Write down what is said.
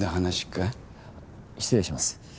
失礼します。